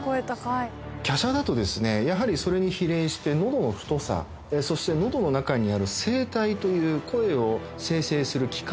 華奢だとですねやはりそれに比例してのどの太さそしてのどの中にある声帯という声を生成する器官ですね。